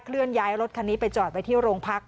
เลื่อนย้ายรถคันนี้ไปจอดไว้ที่โรงพัก